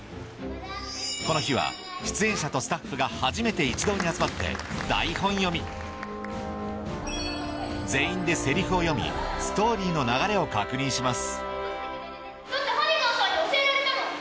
この日は出演者とスタッフが初めて一堂に集まって台本読み全員でセリフを読みストーリーの流れを確認しますだってハニガンさんに教えられたもん。